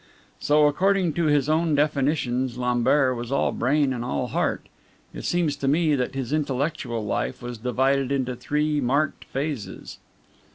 So, according to his own definitions, Lambert was all brain and all heart. It seems to me that his intellectual life was divided into three marked phases.